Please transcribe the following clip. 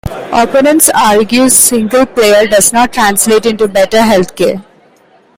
Opponents argue single-payer does not translate into better health care.